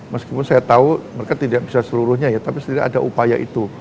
meskipun saya tahu mereka tidak bisa seluruhnya ya tapi setidaknya ada upaya itu